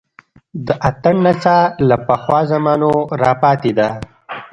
د اتڼ نڅا له پخوا زمانو راپاتې ده